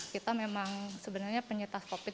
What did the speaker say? kita memang sebenarnya penyitas covid sembilan belas